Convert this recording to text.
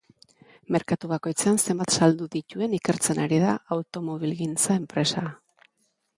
Merkatu bakoitzean zenbat saldu zituen ikertzen ari da automobilgintza enpresa.